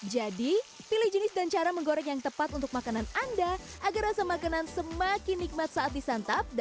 jadi pilih jenis dan cara menggoreng yang tepat untuk makanan anda agar rasa makanan semakin nikmat saat disantap